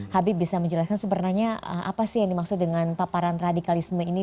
habib bisa menjelaskan sebenarnya apa sih yang dimaksud dengan paparan radikalisme ini